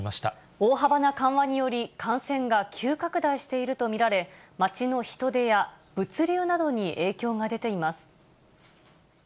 大幅な緩和により、感染が急拡大していると見られ、街の人出や物流などに影響が出ています。